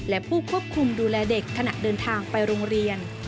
และผู้ควบคุมดูแลเด็กขณะเดินทางไปโรงเรียน